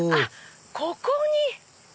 ここに！